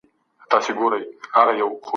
که ښوونکی اورېدنه کوي، ستونزه پټه نه پاتې کېږي.